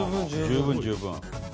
十分十分。